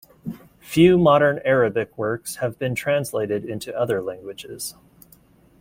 Few modern Arabic works have been translated into other languages.